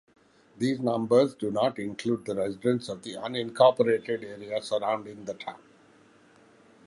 These numbers do not include the residents of the unincorporated area surrounding the town.